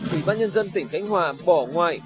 ubnd tỉnh khánh hòa bỏ ngoại